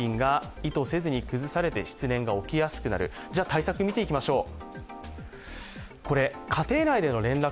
対策を見ていきましょう。